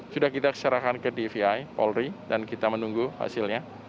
sudah kita serahkan ke dvi polri dan kita menunggu hasilnya